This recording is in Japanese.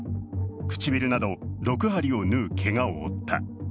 唇など６針を縫うけがを負った。